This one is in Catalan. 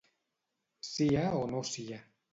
Sia o no sia.